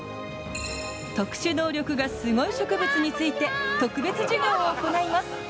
特殊能力がすごい植物について特別授業を行います。